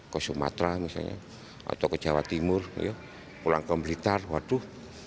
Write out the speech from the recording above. ke sumatera misalnya atau ke jawa timur pulang ke blitar waduh